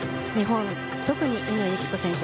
特に乾友紀子選手